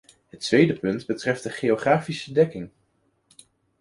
Het tweede punt betreft de geografische dekking.